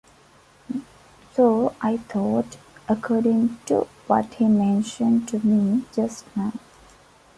So I thought, according to what he mentioned to me just now.